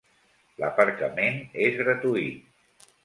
L'aparcament és gratuït.